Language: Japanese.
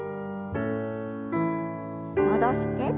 戻して。